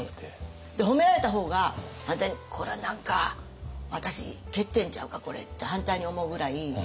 褒められた方が反対に「これは何か私欠点ちゃうか？これ」って反対に思うぐらい。